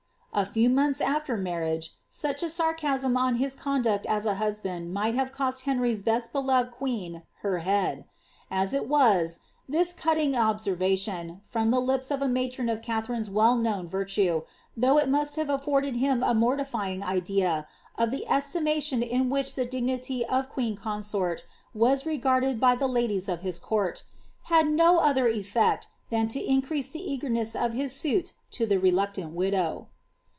^'' A few months after marriage, such a sarcasm on his conduct as a hnsl)and might have eost Henry's best loved queen her head. As it was, this culling observa tion, from the lips of a matron of Katharine^s well known virtue, though h must have afforded him a mortifying idea of the estimation in which the dignity of queen consort was regarded by the ladies of his court, had no other effect than to increase the eagerness of his suit to the reluctant widow.